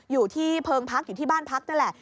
อยู่ที่เพิงพักอยู่ที่บ้านพักนั่นแหละ